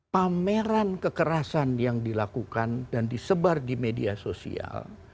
pameran kekerasan yang dilakukan dan disebar di media sosial